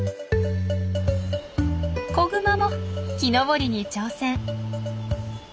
子グマも木登りに挑戦。